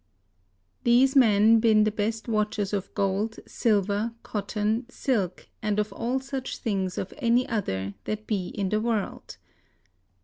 Theise men ben the beste worchers of Gold, Sylver, Cottoun, Sylk and of all such things of any other, that be in the World.